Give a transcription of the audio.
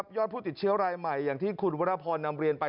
ผู้ติดเชื้อรายใหม่อย่างที่คุณวรพรนำเรียนไป